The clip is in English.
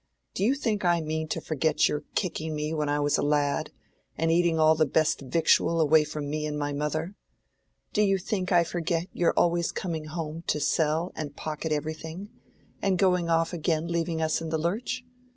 Do you think I mean to forget your kicking me when I was a lad, and eating all the best victual away from me and my mother? Do you think I forget your always coming home to sell and pocket everything, and going off again leaving us in the lurch?